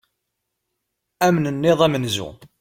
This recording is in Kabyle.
Amnenniḍ amenzu.